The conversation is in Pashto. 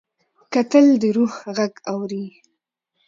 کتل د روح غږ اوري